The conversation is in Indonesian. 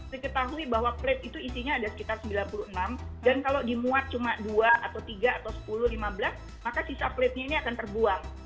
diketahui bahwa plate itu isinya ada sekitar sembilan puluh enam dan kalau dimuat cuma dua atau tiga atau sepuluh lima belas maka sisa plate nya ini akan terbuang